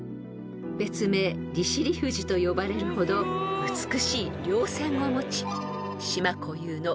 ［別名利尻富士と呼ばれるほど美しい稜線を持ち］